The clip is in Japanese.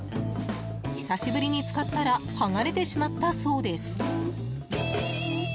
久しぶりに使ったら剥がれてしまったそうです。